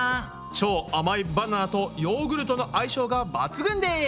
超甘いバナナとヨーグルトの相性が抜群です。